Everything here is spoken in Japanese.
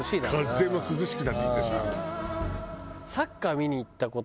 風も涼しくなってきてさ。